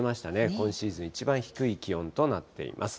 今シーズン一番低い気温となっています。